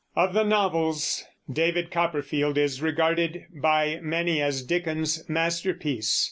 Of the novels, David Copperfield is regarded by many as Dickens's masterpiece.